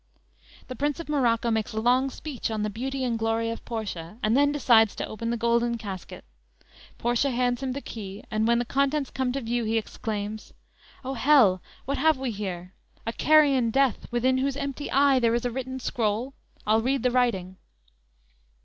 "_ The Prince of Morocco makes a long speech on the beauty and glory of Portia, and then decides to open the golden casket. Portia hands him the key, and when the contents come to view he exclaims: "O hell! what have we here!" _"A carrion death, within whose empty eye There is a written scroll? I'll read the writing.